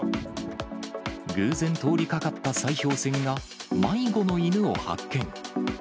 偶然通りかかった砕氷船が迷子の犬を発見。